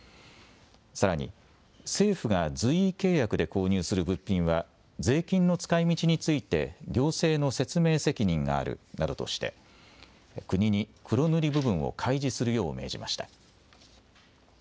さらに政府が随意契約で購入する物品は税金の使いみちについて行政の説明責任があるなどとして国に黒塗り部分を開示するよう命じました。